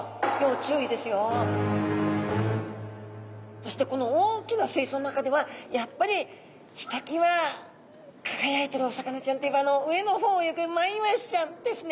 そしてこの大きな水槽の中ではやっぱりひときわ輝いてるお魚ちゃんといえばあの上の方を泳ぐマイワシちゃんですね。